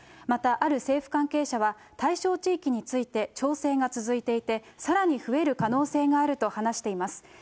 また、ある政府関係者は、対象地域について調整が続いていて、さらに増える可能性があると話しています。